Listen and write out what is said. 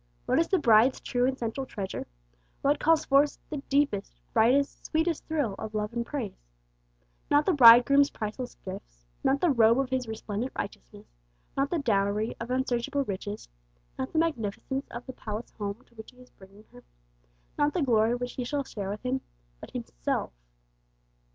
What is the Bride's true and central treasure? What calls forth the deepest, brightest, sweetest thrill of love and praise? Not the Bridegroom's priceless gifts, not the robe of His resplendent righteousness, not the dowry of unsearchable riches, not the magnificence of the palace home to which He is bringing her, not the glory which she shall share with Him, but Himself!